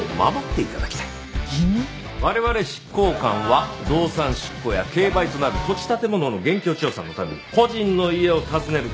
我々執行官は動産執行や競売となる土地建物の現況調査のために個人の家を訪ねる事が多くある。